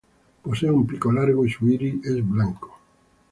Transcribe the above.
Posee un pico largo y su iris es blanco.